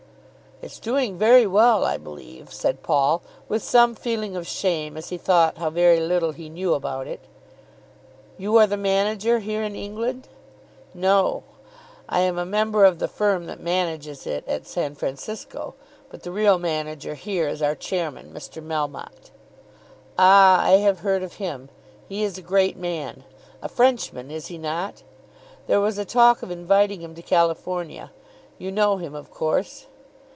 "It's doing very well, I believe," said Paul, with some feeling of shame, as he thought how very little he knew about it. "You are the manager here in England?" "No, I am a member of the firm that manages it at San Francisco; but the real manager here is our chairman, Mr. Melmotte." "Ah, I have heard of him. He is a great man; a Frenchman, is he not? There was a talk of inviting him to California. You know him of course?"